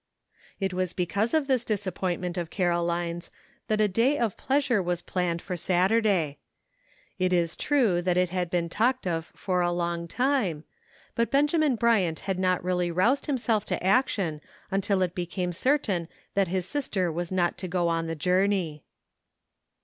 It was because of this disappointment of Caroline's that a day of pleasure was planned for Saturday. It is true it had been talked of for a long time, but Benjamin Bryant had not really roused himself to action until it became certain that his sister was not to go on the journey.